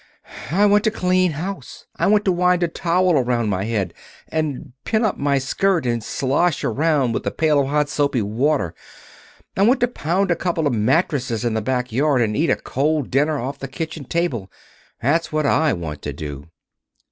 I want to clean house. I want to wind a towel around my head, and pin up my skirt, and slosh around with a pail of hot, soapy water. I want to pound a couple of mattresses in the back yard, and eat a cold dinner off the kitchen table. That's what I want to do."